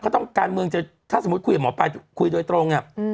ถ้าสมมุติคุยกับหมอปายคุยโดยตรง